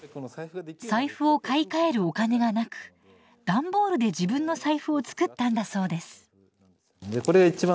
財布を買い替えるお金がなく段ボールで自分の財布を作ったんだそうです。